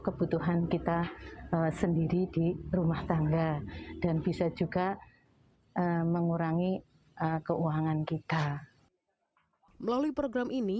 kebutuhan kita sendiri di rumah tangga dan bisa juga mengurangi keuangan kita melalui program ini